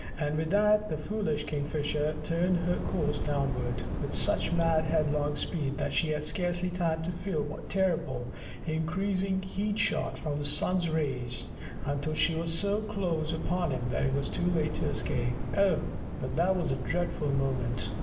And with that the foolish Kingfisher turned her course downward, with such mad, headlong speed that she had scarcely time to feel what terrible, increasing heat shot from the sun's rays, until she was so close upon him that it was too late to escape. Oh, but that was a dreadful moment!